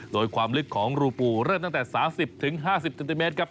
โดยความลึกของรูปูเริ่มตั้งแต่๓๐๕๐เซนติเมตรครับ